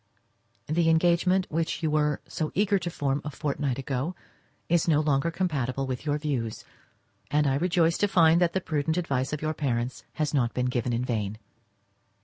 The engagement which you were eager to form a fortnight ago is no longer compatible with your views, and I rejoice to find that the prudent advice of your parents has not been given in vain.